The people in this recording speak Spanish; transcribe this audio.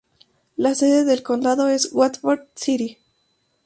La sede del condado es Watford City.